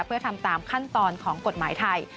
เพื่อทำตามขั้นตอนของกฎหมายไทย